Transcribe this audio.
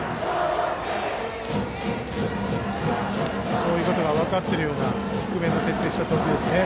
そういうことが分かっているような低めの徹底した投球ですね。